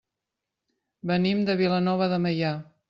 Venim de Vilanova de Meià.